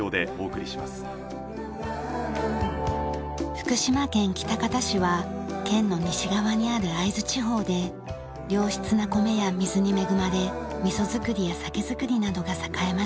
福島県喜多方市は県の西側にある会津地方で良質な米や水に恵まれみそ造りや酒造りなどが栄えました。